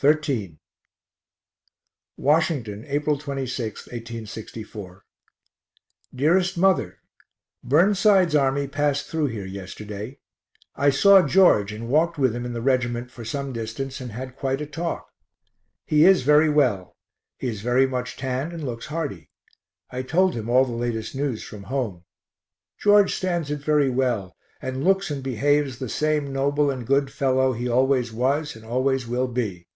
XIII Washington, April 26, 1864. DEAREST MOTHER Burnside's army passed through here yesterday. I saw George and walked with him in the regiment for some distance and had quite a talk. He is very well; he is very much tanned and looks hardy. I told him all the latest news from home. George stands it very well, and looks and behaves the same noble and good fellow he always was and always will be.